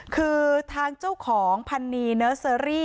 คือทางเจ้าของพันนีเนอร์เซอรี่